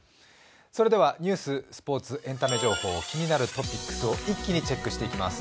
それではニュース、スポーツ、エンタメ情報、気になるトピックスを一気にお伝えしてまいります。